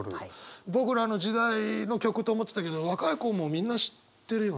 僕らの時代の曲と思ってたけど若い子もみんな知ってるよね？